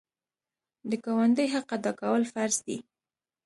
د ګاونډي حق ادا کول فرض دي.